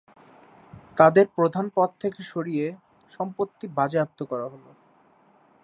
তাঁদের প্রধান পদ থেকে সরিয়ে সম্পত্তি বাজেয়াপ্ত করা হল।